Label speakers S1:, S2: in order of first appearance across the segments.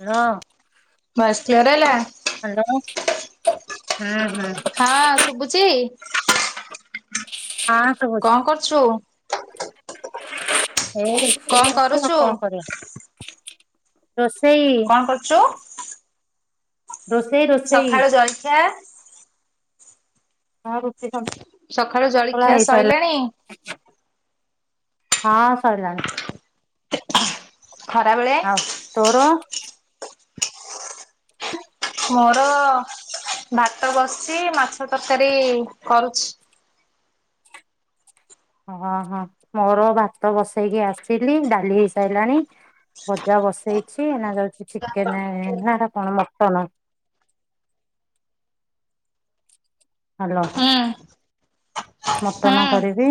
S1: ଲୋ
S2: voice clear ହେଲା
S1: hello ହୁଁ। ହୁଁ
S2: ହଁ ଶୁବୁଚି?
S1: ଆଁ
S2: କଁ କରୁଚୁ?
S1: [unintelligible] ଆଉ
S2: କରୁଛୁ
S1: କଣ କରିବା ରୋଷେଇ।
S2: କଁ କରୁଚୁ?
S1: ରୋଷେଇ ରୋଷେଇ
S2: ସକାଳୁ ଜଳଖିଆ
S1: ହଁ ରୁଟି ସନ
S2: ସଖାଳୁ ଜଳଖିଆ ସଇଲାଣି?
S1: ହଁ ସଇଲାଣି।
S2: ଖରାବେଳେ?
S1: ଆଉ ତୋର? ହ [unintelligible]
S2: ମୋର ଭାତ ବସିଚି ମାଛ ତରକାରୀ କରୁଚି।
S1: ଅ ହଁ। ମୋର ଭାତ ବସେଇକି ଆସିଲି ଡାଲି ହେଇସାଇଲାଣି। ଭଜା ବସେଇଛି ଏଇନା ଯାଉଚି ଚିକେନେ ନା ହେଟା କଣ ମଟନ ହ୍ୟାଲୋ
S2: ଏଁ।
S1: ମଟନ କରିବି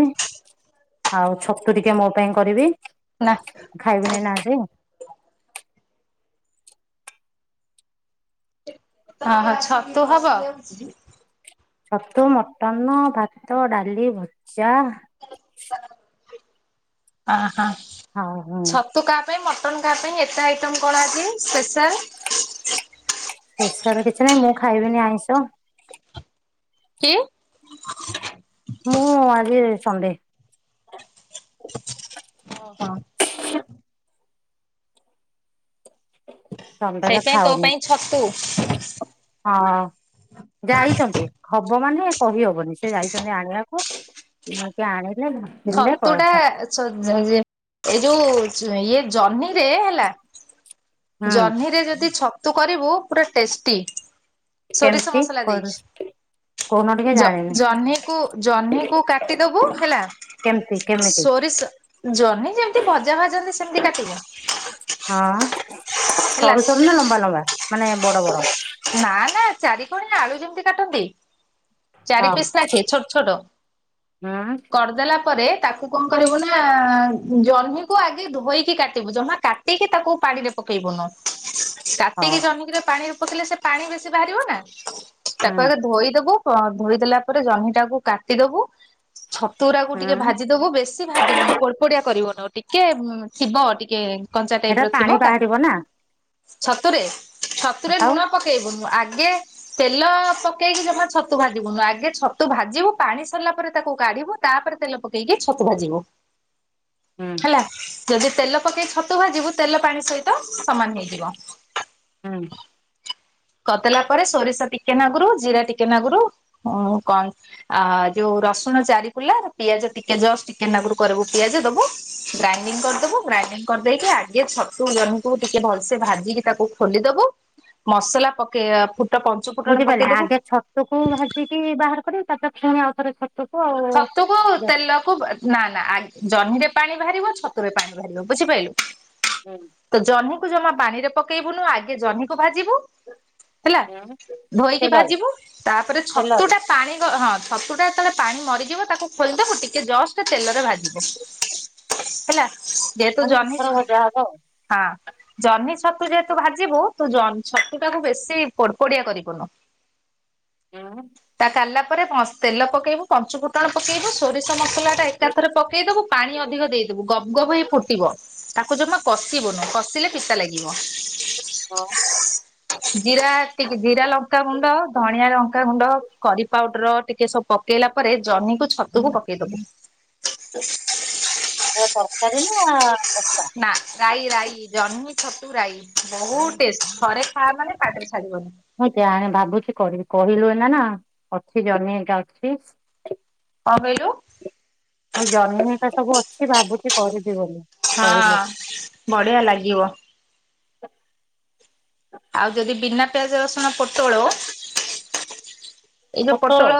S1: ଆଉ ଛତୁ ଟିକେ ମୋ ପାଇଁ କରିବି।
S2: ନା
S1: ମୁଁ ଖାଇବିିନି ନା ଆଜି।
S2: ହଁ ହଁ ଛତୁ ହବ?
S1: ଛତୁ, ମଟନ, ଭାତ, ଡାଲି, ଭଜା।
S2: ଅଁ ହଁ।
S1: ହଉ ହୁଁ।
S2: ଛତୁ କାହା ପାଇଁ ମଟନ କାହା ପାଇଁ ଏତେ ଆଇଟମ କଣ ଆଜି ସ୍ପେଶାଲ?
S1: ସ୍ପେଶାଲ କିଛି ନାଇଁ ମୁଁ ଖାଇବିନି ଆଇଁଷ।
S2: କି?
S1: ମୁଁ ଆଜି ସଣ୍ଡେ।
S2: [unintelligible]
S1: ସଣ୍ଡେରେ
S2: ସେଇଥିପାଇଁ ତୋ
S1: ଖାଉନି।
S2: ପାଇଁ ଛତୁ।
S1: ହଁ। ଯାଇଚନ୍ତି। ହବ ମାନେ କହି ହବନି ସେ ଯାଇଛନ୍ତି ଆଣିବାକୁ। [unintelligible]
S2: ଛତୁ ଟା
S1: କହିବ
S2: [unintelligible] ଏ ଯୋଉ ଇଏ ଜହ୍ନି ରେ ହେଲା
S1: ହୁଁ
S2: ଜହ୍ନିରେ ଯଦି ଛତୁ କରିବୁ ପୁରା ଟେଷ୍ଟି। ସୋରିଷ
S1: କେମିତି
S2: ମସଲା
S1: କରୁ
S2: ଦେଇକି।
S1: କହୁନ ଟିକେ
S2: ଜ
S1: ଜାଣିନି
S2: ଜହ୍ନିକୁ ଜହ୍ନିକୁ କାଟିଦବୁ ହେଲା
S1: କେମତି କେମିତି?
S2: ସୋରିଷ ଜହ୍ନି ଯେମିତି ଭଜା ଭାଜନ୍ତି ସେମିତି କାଟିବୁ।
S1: ହଁ।
S2: ହେଲା।
S1: ସରୁ ସରୁ ନା ଲମ୍ବା ଲମ୍ବା ମାନେ ବଡ ବଡ?
S2: ନା ନା ଚାରିିକଣିଆ ଆଳୁ ଯେମିତି କାଟନ୍ତି। ଚାରି
S1: ହଉ
S2: ପିସ୍ ଲାଖେ ଛୋଟ ଛୋଟ।
S1: ହୁଁ
S2: କରିଦେଲା ପରେ ତାକୁ କଣ କରିବୁ ନା ଜହ୍ନିକୁ ଆଗେ ଧୋଇକି କାଟିବୁ। ଜମା କାଟିକି ତାକୁ ପାଣି ରେ ପକେଇବୁନୁ।
S1: ହଉ।
S2: କାଟିକି ଜହ୍ନି କିରେ ପାଣି ରେ ପକେଇଲେ ସେ ପାଣି ବେଶି ବାହାରିବ ନା। ତାକୁ
S1: ହୁଁ
S2: ଆଗ ଧୋଇଦବୁ ଧୋଇଦେଲା ପରେ ଜହ୍ନିଟାକୁ କାଟିଦବୁ ଛତୁ ଗୁରା କୁ ଟିକେ
S1: ହୁଁ
S2: ଭାଜିଦବୁ। ବେଶ୍ ବେଶୀ ଭାଜିବୁନୁ ପୋଡପୋଡିଆ କରିବୁନୁ ଟିକେ ଥିବ ଟିକେ କଞ୍ଚା ଟାଇପ୍
S1: ଏଟା
S2: ର
S1: ପାଣି
S2: ଥିବ ତା
S1: ବାହାରିବ ନା
S2: ଛତୁରେ ଛତୁରେ
S1: ଆଉ
S2: ଲୁଣ ପକେଇବୁନୁ। ଆଗେ ତେଲ ପକେଇକି ଜମା ଛତୁ ଭାଜିବୁନୁ। ଆଗେ ଛତୁ ଭାଜିବୁ ପାଣି ସରିଲା ପରେ ତାକୁ କାଢିବୁ ତାପରେ ତେଲ ପକେଇକି ଛତୁ ଭାଜିବୁ।
S1: ହୁଁ।
S2: ହେଲା। ଯଦି ତେଲ ପକେଇ ଛତୁ ଭାଜିବୁ ତେଲ ପାଣି ସହିତ ସମାନ ହେଇଯିବ।
S1: ଉଁ
S2: କଦେଲା ପରେ ଶୋରିଷ ଟିକେ ନାକୁରୁ ଜିରା ଟିକେ ନାକୁରୁ ଅ କନ ଆ ଯୋଉ ରସୁଣ ଚାରିକୁଲା ପିଆଜ ଟିକେ ଜଷ୍ଟ ଟିକେ ନାକୁରୁ କରିବୁ ପିଆଜ ଦୋବୁ ଗ୍ରାଇଣ୍ଡିଙ୍ଗ କରିଦୋବୁ ଗ୍ରାଇଡିଙ୍ଗ କରିଦେଇକି ଆଗେ ଛତୁ ଜନହିକୁ ଟିକେ ଭଲସେ ଭାଜିକି ତାକୁ ଖୋଲିଦୋବୁ। ମସଲା ପକେଇ ଆ ଫୁଟ ପଞ୍ଚୁ ଫୁଟଣ
S1: ବୁଝିପାଇଲେ
S2: ପକେଇଦବୁ
S1: ଆଗେ ଛତୁକୁ ଭାଜିକି ବାହାର କରିବ ତାପରେ ଫେଣି ଆଉଥରେ ଛ
S2: ଛତୁକୁ ତେଲକୁ ବା ନା ନା ଆ ଜହ୍ନିରେ ପାଣି ବାହାରିବ ଛତୁରେ ପାଣି ବାହାରିବ ବୁଝିପାଇଲୁ।
S1: ହୁଁ।
S2: ତ ଜହ୍ନିକୁ ଜମା ପାଣିରେ ପକେଇବୁନୁ ଆଗେ ଜହ୍ନିକୁ ଭାଜିବୁ ହେଲା
S1: ଉଁ
S2: ଧୋଇକି
S1: ତେଲରେ
S2: ଭାଜିବୁ ତାପରେ
S1: ତେଲରେ
S2: ଛତୁଟା ପାଣି ଗ ହଁ ଛତୁଟା ଯେତେବେଳେ ପାଣି ମରିଯିବ ତାକୁ ଖୋଲଦୋବୁ ଟିକେ ଜଷ୍ଟ୍ ଷ୍ଟ ତେଲରେ ଭାଜିବୁ ହେଲା ଯେହେତୁ
S1: ମାନେ
S2: ଜହ୍ନି
S1: ଦିଥର
S2: ଛ
S1: ଭଜା ହବ ଆଉ।
S2: ହଁ। ଜହ୍ନି ଛତୁ ଯେହେତୁ ଭାଜିବୁ ତୁ ଜନ୍ ଛତୁଟାକୁ ବେଶୀ ପୋଡ ପୋଡିଆ କରିବୁନୁ।
S1: ଉଁ
S2: ତା କାଡଲା ପରେ ପସ୍ ତେଲ ପକେଇବୁ ପଞ୍ଚୁ ଫୁ ଫୁଟଣ ପକେଇବୁ ସୋରିଷ ମସଲାଟା ଏକାଥରେ ପକେଇଦୋବୁ ପାଣି ଅଧିକ ଦେଇଦୋବୁ ଗବ ଗବ ହେଇ ଫୁଟିବ। ତାକୁ ଜମା କଷିିବୁନୁ କଷିଲେ ପିତା ଲାଗିବ।
S1: ହଁ।
S2: ଜିରା ଟିକେ ଜିରା ଲଙ୍କାଗୁଣ୍ଡ, ଧଣିଆ ଲଙ୍କାଗୁଣ୍ଡ, କରି ପାଉଡର, ଟିକେ ସବୁ ପକେଇଲା ପରେ ଜହ୍ନିକୁ, ଛତୁକୁ ପକେଇଦୋବୁ।
S1: ଏ ତରକାରୀ ନା
S2: ନା ରାଇ ରାଇ ଜହ୍ନି, ଛତୁ ରାଇ ବୋହୁତ ଟେଷ୍ଟ୍ ଥରେ ଖାଇବୁ ମାନେ ପାଟିରୁ ଛଡିବନି।
S1: ମୁଁ ଜାଣେ ଭାବୁଛି କରିବି କହିଲୁ ଏନା ନା ଅଛି ଜହ୍ନି ହେଇକା ଅଛି।
S2: କଣ କହିଲୁ?
S1: ହଁ ଜହ୍ନି ଏ ହରିକା ସବୁ ଅଛି ଭାବୁଛି କରିବି ବୋଲି। କହିଲୁ
S2: ହଁ ବଢିଆ ଲାଗିବ। ଆଉ ଯଦି ବିନା ପିଆଜ ରସୁଣ ପୋଟୋଳ ଏଇ ଯୋଉ ପୋଟଳ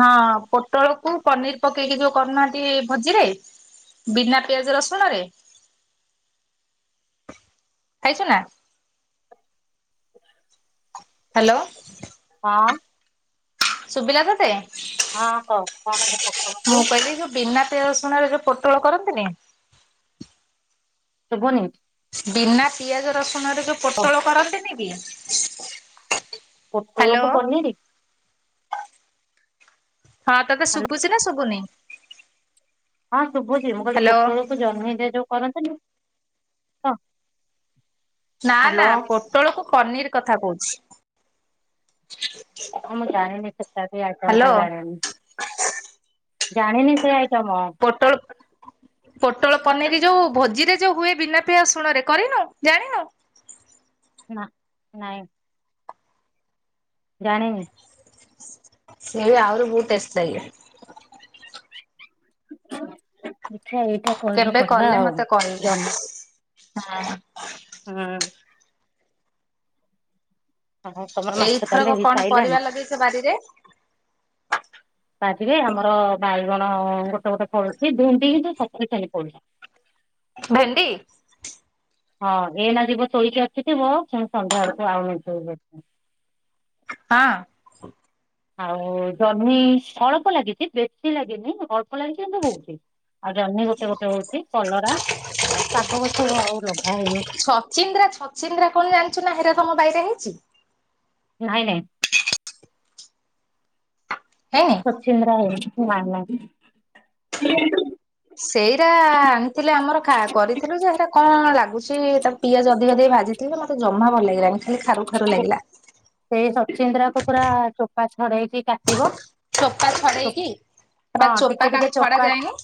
S2: ହଁ ପୋଟଳକୁ ପନିର ପକେଇକି ଯୋଉ କରୁନାହାନ୍ତି ଭୋଜିରେ ବିନା ପିଆଜ, ରସୁଣରେ ଖାଇଛୁ ନା? ହାଲୋ।
S1: ହଁ।
S2: ଶୁବିଲା ତତେ?
S1: ହଁ କହ କଣ ଯେ ପୋଟଳକୁ
S2: ମୁଁ କହିଲି ଯୋଉ ବିନା ପିଆଜ, ରସୁଣରେ ଯୋଉ ପୋଟଳ କରନ୍ତିନି
S1: ଶୁଭୁନି।
S2: ବିନା ପିଆଜ, ରସୁଣରେ ଯୋଉ ପୋଟଳ କରନ୍ତିନି କି ହ୍ୟାଲୋ
S1: ପୋଟଳକୁ ପନିରି
S2: ହଁ ତତେ ଶୁଭୁଚି ନା ଶୁଭୁନି?
S1: ହଁ ଶୁଭୁଚି ମୁଁ କହିଲିି
S2: ହ୍ୟାଲୋ
S1: ପୋଟଳକୁ ଜହ୍ନିରେ ଯୋଉ କରନ୍ତିନି ହଁ।
S2: ନା ନା
S1: ହ୍ୟାଲୋ
S2: ପୋଟଳକୁୁ ପନିର କଥା କହୁଛି।
S1: ଅ ମୁଁ ଜାଣିନି ସେଟା କି ଆଇଟମଟା
S2: ହ୍ୟାଲୋ
S1: ଜାଣିନି। ଜାଣିନି ସେ ଆଇଟମ।
S2: ପୋଟଳ ପୋଟଳ ପନିର ଯୋଉ ଭୋଜିରେ ଯୋଉ ହୁଏ ବିନା ପିଆଜ ରସୁଣ ରେ କରିନୁ? ଜାଣିନୁ?
S1: ନା ନାଇଁ। ଜାଣିନି।
S2: [unintelligible]
S1: [unintelligible]
S2: କେବେ
S1: କରିବା
S2: କଲେ
S1: ଆଉ
S2: ମତେ କହିବୁ।
S1: ଜହ୍ନି
S2: ହଁ।
S1: ହୁଁ। ତମର
S2: ଏଇ
S1: ମାଛ ତାହେଲେ
S2: ଥରକ
S1: ହେଇ
S2: କଣ
S1: ସାଇଲାଣି
S2: ପରିବା ଲଗେଇଛ ବାରିରେ?
S1: ବାରିରେ ଆମର ବାଇଗଣ ଗୋଟେ ଗୋଟେ ଫଳୁଛି, ଭେଣ୍ଡି କିନ୍ତୁ ସଫିସିଏଣ୍ଟ ଫଳୁଛି।
S2: ଭେଣ୍ଡି?
S1: ହଁ, ଏଇନା ଯିବ ଚୋରିକରି ଆସିଥିବ, [unintelligible] ସନ୍ଧ୍ୟା ବେଳକୁ ଆଉ। [unintelligible]
S2: ହଁ?
S1: ଆଉ ଜହ୍ନି ଅଳପ ଲାଗିଛି, ବେଶୀ ଲାଗିନି ଅଳ୍ପ ଲାଗିଛି କିନ୍ତୁ ହଉଛି। ଆଉ ଜହ୍ନି ଗୋଟେ ଗୋଟେ ହଉଛି, କଲରା ଆଉ ଶାଗ ଗଛ ଆଉ ଲଗା ହେଇନି।
S2: ଛଚିନ୍ଦ୍ରା, ଛଚିନ୍ଦ୍ରା କଣ ଜାଣିଛୁ ନା ହରା ତମ ବାଇରେ ହେଇଛି?
S1: ନାଇଁ ନାଇଁ।
S2: ହେଇନି?
S1: ଛଚିନ୍ଦ୍ରା ହେଇନି। [unintelligible]
S2: ସେଇରା ଆଣିଥିଲେ ଆମର କରିଥିଲୁ ଯେ, ହେରା କଣ ଲାଗୁଛି ତା ପିଆଜ ଅଧିକ ଦେଇକି ଭଜି ଥିଲି, ମତେ ଜମା ଭଲ ଲାଗିଲାନି। ଖାଲି ଖାରୁ ଖାରୁ ଲାଗିଲା
S1: ସେଇ ଛଚିନ୍ଦ୍ରା କୁ ପୁରା ଚୋପା ଛଡେଇକି କାଟିବ।
S2: ଚୋପା ଛଡେଇକି? ଏ ପା
S1: ହଁ ଟିକେ
S2: ଚୋପା
S1: ଟିକେ
S2: କାଳେ ଛଡା
S1: ଚୋପା
S2: ଯାଏନି।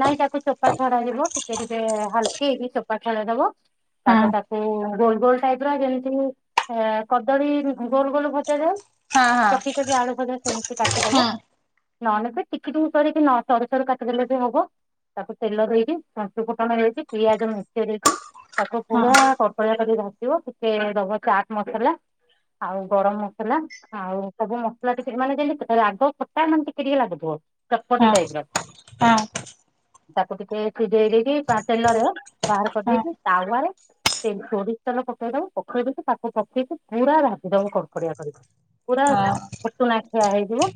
S1: ନାଇଁ ତାକୁ ଚୋପା ଛଡା ଯିବ। ଟିକେ ଟିକେ ହାଲକେଇକି ଚୋପା ଛଡେଇ ଦବ।
S2: ହଁ
S1: ତାପରେ ତାକୁ ଗୋଲ ଗୋଲ ଟାଇପ ର ଯେମିତି କଦଳୀ ଗୋଲ ଗୋଲ ଭଜା ଯାଏ।
S2: ହଁ
S1: ଚକି ଚକି ଆଳୁ ଭଜା ସେମିତି କାଟିଦବ।
S2: ହଁ
S1: ନ ହେନେ ବି ଟିକି ଟିକି କରିକି ସରୁ ସରୁ କାଟିଦେଲେ ବି ହବ। ତାକୁ ତେଲ ଦେଇକି, ପଞ୍ଚୁ ଫୁଟଣ ଦେଇକି, ପିଆଜ ମେଞ୍ଚେ ଦେଇକି ତାକୁ
S2: ହଁ ହଁ
S1: ପୁରା କଡକଡିଆ କରିକି ଭାଜିବ, ଟିକେ ଦବ ଚାଟ୍ ମସଲା। ଆଉ ଗରମ ମସଲା। ଆଉ ସବୁ ମସଲା ଟିକେ, ମାନେ ଯେମତି ରାଗ, ଖଟା ମାନେ ଟିକେ ଟିକେ ଲାଗୁଥିବ। ଚଟ୍ ପଟି
S2: ହଁ
S1: ଟାଇପ୍ ର।
S2: ହଁ
S1: ତାକୁ ଟିକେ ସିଝେଇ ଦେଇକି ତେଲରେ ବାହାର
S2: ହଁ
S1: କରିଦେଇକି ତାୱାରେ ସୋରିଷ ତେଲ ପକେଇ ଦବ। ପକେଇ ଦେଇକି, ତାକୁ ପକେଇକି ପୁରା ଭାଜି ଦବ କଡ କଡିଆ କରିକି, ପୁରା
S2: ହଁ
S1: ପୁଟୁଣା ଖିଆ ହେଇଯିବ।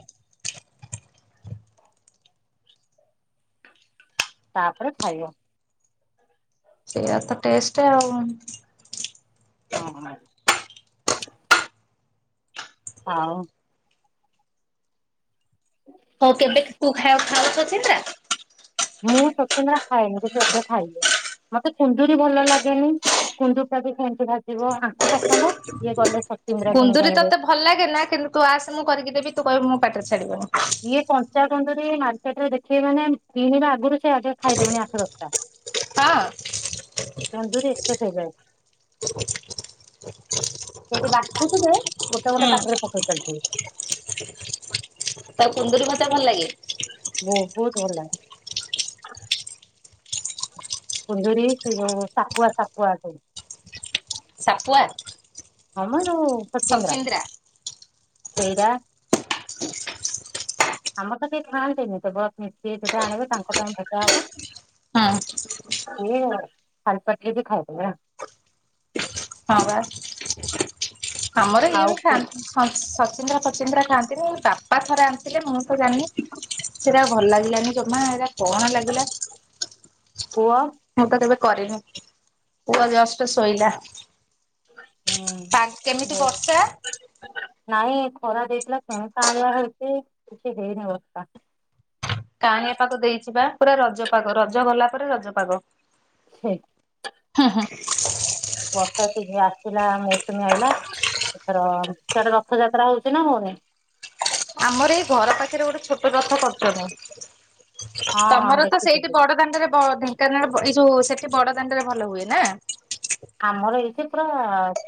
S1: ତାପରେ ଖାଇବ।
S2: ସେଆ ତ ଟେଷ୍ଟ ଆଉ।
S1: ହଁ ହଁ। ଆଉ?
S2: ହଉ କେବେ ତୁ ଖାଇ ଖାଉ ଛଚିନ୍ଦ୍ରା?
S1: ମୁଁ ସତେ ନା ଖାଏନି। କି କେବେ ଖାଇନି। ମତେ କୁନ୍ଦୁୁରୀ ଭଲ ଲାଗେନି, କୁନ୍ଦୁର ଟା ବି ସେମତି ଭାଜିବ। ପସନ୍ଦ ଇଏ ଗଲେ ସଚୀନ୍ଦି୍ରା କିଣିକି
S2: କୁନ୍ଦୁରି
S1: ଆଣିବେ।
S2: ତତେ ଭଲ ଲାଗେ ନା କିନ୍ତୁ ତୁ ଆସ ମୁଁ କରିକି ଦେବି ତୁ କହିବୁ ମୋ ପାଟିରେ ଛାଡିବନି।
S1: ଇଏ କଞ୍ଚା କଞ୍ଚା ଟିକେ ମାର୍କେଟରେ ଦେଖିବି ମାନେ କିଣିବା ଆଗରୁ ସେ ଆଗେ ଖାଇଦେବେଣି ଆଠ ଦଶଟା।
S2: ହଁ?
S1: କୁନ୍ଦୁରି ଏକତେ ଫେବରେଟ। ସେଠି ବାଛୁ ଥିବେ ଗୋଟେ ଗୋଟେ
S2: ହୁଁ
S1: ପାଟିରେ ପକେଇ ଚାଲିଥିବେ।
S2: ଅ କୁନ୍ଦୁରି ଭଜା ଭଲ ଲାଗେ?
S1: ବହୁତ ଭଲ ଲାଗେ। କୁନ୍ଦୁରି ସେ ଯୋଉ ସାପୁଆ ସାପୁଆ ଆସେ।
S2: ସାପୁଆ?
S1: ହଁ ମ ଯୋଉ ସଚିନ୍ଦ୍ରା ସେଇଟା।
S2: ଆ
S1: ଆମର ତ କିଏ ଖାଆନ୍ତିନି। କେବଳ ସିଏ ସେଠୁ ଆଣିବେ ତାଙ୍କ ପାଇଁ ଭଜା ହବ।
S2: ହଁ।
S1: ଇଏ ଖାଲପାଟିରେ ବି ଖାଇଦେବେ।
S2: ହଁ ବା ଆମର ଇଏ ବି
S1: ଆଉ ପୁ
S2: ଖାଆନ୍ତି। ହ ସଚିନ୍ଦ୍ରା ଫଚିନ୍ଦ୍ରା ଖାଆନ୍ତିନି। ଏ ବାପା ଥରେ ଆଣ ଥିଲେ। ମୁଁ ତ ଜାଣିନି ସେଟା ଭଲ ଲାଗିଲାନି ଜମା। ଏଇଟା କଣ ଲାଗିଲା?
S1: ପୁଅ?
S2: ମୁଁ ତ କେବେ କରେନି। ପୁଅ ଜଷ୍ଟ ଶୋଇଲା।
S1: ହୁଁ
S2: କେମିତି
S1: ବହୁ
S2: ବର୍ଷା
S1: ନାଇଁ ଖରା ଦେଇଥିଲା। ପୁଣି କାଉଁଳିଆ ହେଇଚି କିଛି ହେଇନି ବର୍ଷା।
S2: କାଉଁଳିଆ ପାଗ ଦେଇଚି ବା। ପୁରା ରଜପାଗ ରଜ ଗଲା ପରେ ରଜପାଗ।
S1: ସେ
S2: ହୁଁ ହୁଁ।
S1: ବର୍ଷା ସିଯିନ ଆସିଥିଲା ମୌସୁମୀ ଆଇଲା। ଏଥର ସିଆଡେ ରଥଯାତ୍ରା ହଉଚି ନା ହଉନି?
S2: ଆମର ଏଇ ଘର ପାଖରେ ଗୋଟେ ଛୋଟ ରଥ କରିଚନ୍ତି।
S1: ହଁ ହଁ
S2: ତମର ତ ସେଇଠି
S1: ଦେଖିଥିଲି।
S2: ବଡ ଦାଣ୍ଡରେ ବଢି ଙ୍କାନାଳ ଏ ଯୋଉ ସେଠି ବଡ ଦାଣ୍ଡରେ ଭଲ ହୁଏ ନା?
S1: ଆମର ଏଇଠି ପୁରା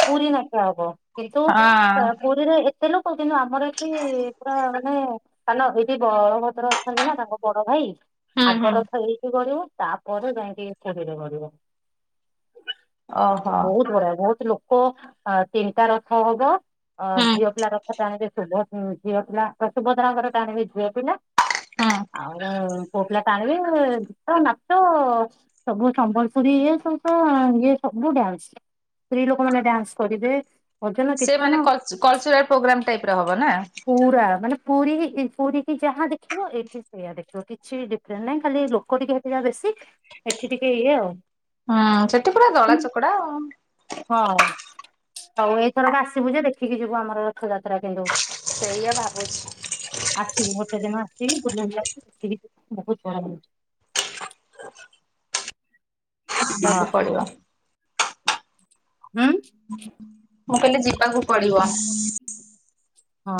S1: ପୁରୀ ନାଖେ ହବ କିନ୍ତୁ ପ ପୁ
S2: ହଁ
S1: ପୁରୀରେ ଏତେ ଲୋକ କିନ୍ତୁ ଆମର ଏଠି ପୁରା ମାନେ ଆ ଲୋ ଏଠି ବଳଭଦ୍ର ଅଛନ୍ତି ନା ତାଙ୍କ ବଡ ଭାଇ?
S2: ହୁଁ
S1: ଆଗ
S2: ହୁଁ
S1: ରଥ ଏଇଠି ଗଡ଼ିବ ତାପରେ ଯାଇକି ପୁରୀରେ ଗଡିବ।
S2: ଓହୋ
S1: ବହୁତ ବଡ଼। ବହୁତ ଲୋକ ଅ ତିନିଟା ରଥ ହବ। ଅ
S2: ହୁଁ
S1: ଝିଅ ପିଲା ରଥ ଟାଣିବେ ଶୁଭ ଝିଅ ପିଲା ଶୁଭଦ୍ରାଙ୍କର ଟାଣିବେ ଝିଅ ପିଲା।
S2: ହଁ
S1: ଆଉ ପୁଅ ପିଲା ଟାଣିବେ ଗୀତ ନାଚ ସବୁ ସମ୍ବଲପୁରୀ ଇଏ ସବୁ ତ ଇଏ ସବୁ ଡ୍ୟାନ୍ସ ସ୍ତ୍ରୀ ଲୋକ ମାନେ ଡ୍ୟାନ୍ସ କରିବେ। ଭଜନ କୀର୍ତ୍ତନ
S2: ସେମାନେ କଲ୍ କଲଚୁରାଲ ପ୍ରୋଗ୍ରାମ ଟାଇପ ର ହବ ନା?
S1: ପୁରା ମାନେ ପୁରୀ ଇ ପୁରୀ କି ଯାହା ଦେଖିବ ଏଠି ସେଇୟା ଦେଖିବ କିଛିବି ଡିଫ ଫ୍ରେଣ୍ଟ ନାଇଁ ଖାଲି ଲୋକ ଟିକେ ହେବେ ଯାହା ବେଶୀ ଏଠି ଟିକେ ଇଏ ଆଉ।
S2: ହଁ, ସେଠି ପୁରା ଦଳା
S1: କିନ୍ତୁ
S2: ଚକଡା ଆଉ।
S1: ହଁ ଆଉ ଏଇଥରକ ଆସିବୁ ଯେ ଦେଖିକି ଯିବୁ ଆମର ରଥଯାତ୍ରା କିନ୍ତୁ।
S2: ସେଇଆ ଭାବୁଚି।
S1: ଆସିବୁ ଗୋଟେ ଦିନ ଆସିବୁ ଗୋଟେ ଦିନ ଦେଖିବୁ ବହୁତ ବଡ ହଉଚି। ହଁ
S2: ଯିବାକୁ ପଡିବ।
S1: ହୁଁ।
S2: ମୁଁ କହିଲି ଯିବାକୁ ପଡିବ।
S1: ହଁ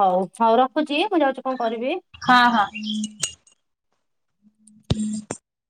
S1: ହଉ ହଉ ରଖୁଛି ମୁଁ ଯାଉଛି କଣ କରିବି?
S2: ହଁ, ହଁ।